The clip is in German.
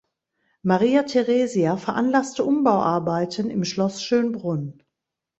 Maria Theresia veranlasste Umbauarbeiten im Schloss Schönbrunn.